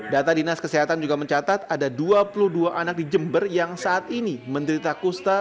data dinas kesehatan juga mencatat ada dua puluh dua anak di jember yang saat ini menderita kusta